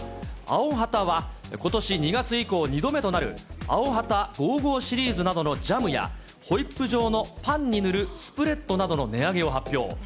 アヲハタは、ことし２月以降２度目となるアヲハタ５５シリーズなどのジャムや、ホイップ状のパンに塗るスプレッドなどの値上げを発表。